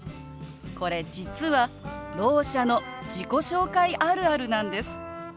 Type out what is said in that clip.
これ実はろう者の自己紹介あるあるなんです。